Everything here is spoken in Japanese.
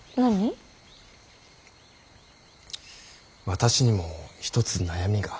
私にも一つ悩みが。